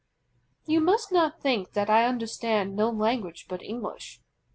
You must not think that I understand no language but English.